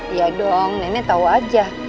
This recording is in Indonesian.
iya dong ini tahu aja